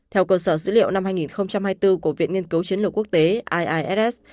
theo cơ sở dữ liệu năm hai nghìn hai mươi bốn của viện nghiên cứu chiến lược quốc tế ias